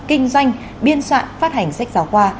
kinh doanh biên soạn phát hành sách giáo khoa